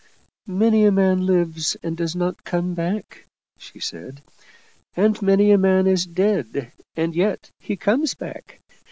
" Many a man lives and does not come back," she said. " And many a man is dead and yet he comes back.